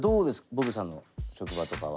ボヴェさんの職場とかは。